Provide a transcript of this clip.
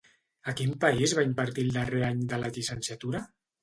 A quin país va impartir el darrer any de la llicenciatura?